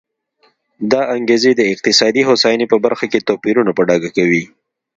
دا انګېزې د اقتصادي هوساینې په برخه کې توپیرونه په ډاګه کوي.